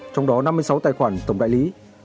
trong đó năm mươi sáu tài khoản tổng đại lý